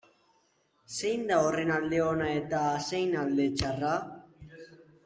Zein da horren alde ona eta zein alde txarra?